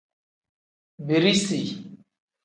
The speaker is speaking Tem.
Birisi.